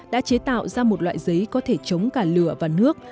đã chế tạo ra một loại giấy có thể chống cả lửa và nước